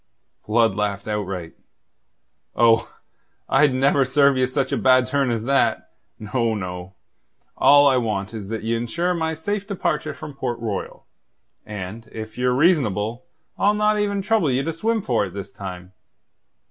Blood laughed outright. "Oh, I'd never serve ye such a bad turn as that. No, no. All I want is that ye ensure my safe departure from Port Royal. And, if ye're reasonable, I'll not even trouble you to swim for it this time.